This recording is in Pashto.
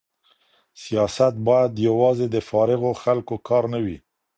سياست بايد يوازي د فارغو خلګو کار نه وي.